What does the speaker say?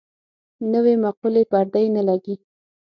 نوې مقولې پردۍ نه لګي.